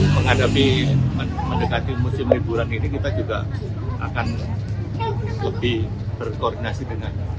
menghadapi mendekati musim liburan ini kita juga akan lebih berkoordinasi dengan